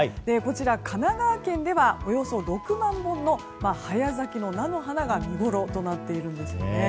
神奈川県ではおよそ６万本の早咲きの菜の花が見ごろとなっているんですね。